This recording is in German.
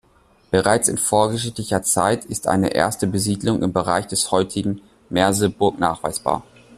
Bereits in vorgeschichtlicher Zeit ist eine erste Besiedlung im Bereich des heutigen Merseburg nachweisbar.